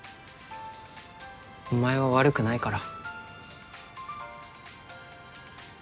お前は悪くないから。